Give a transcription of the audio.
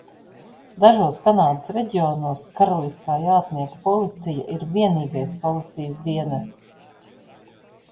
Dažos Kanādas reģionos Karaliskā jātnieku policija ir vienīgais policijas dienests.